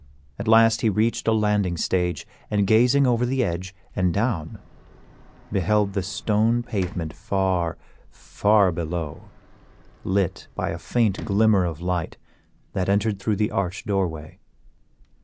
At last he reached a landing stage, and gazing over the edge and down, beheld the stone pavement far, far below, lit by a faint glimmer of light that entered through the arched doorway.